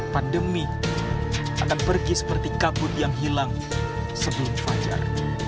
pandemi akan pergi seperti kabut yang hilang sebelum fajar